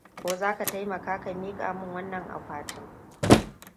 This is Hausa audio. Ko za ka taimaka ka miƙa min wannan akwatin?